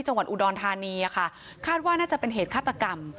จังหวัดอุดรธานีค่ะคาดว่าน่าจะเป็นเหตุฆาตกรรม